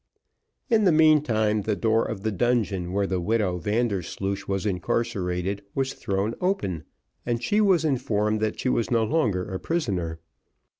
In the meantime, the door of the dungeon where the widow Vandersloosh was incarcerated was thrown open, and she was informed that she was no longer a prisoner.